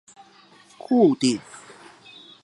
固定